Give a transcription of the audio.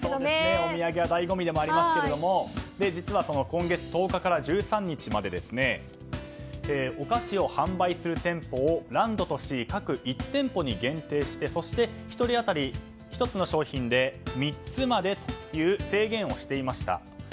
お土産は醍醐味でもありますけど実は今月１０日から１３日までお菓子を販売する店舗をランドとシー各１店舗に限定してそして、１人当たり１つの商品で３つまでという制限をしていました。